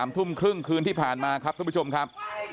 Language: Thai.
ทุ่มครึ่งคืนที่ผ่านมาครับท่านผู้ชมครับ